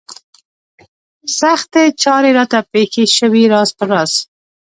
سختې چارې راته پېښې شوې راز په راز.